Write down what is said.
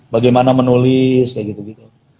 bagaimana menulis kayak gitu gitu